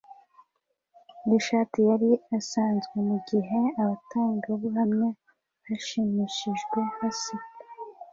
yishati yari asanzwe mugihe abatangabuhamya bashimishijwe baseka